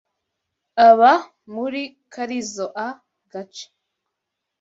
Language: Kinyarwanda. Aba muri karizoa gace.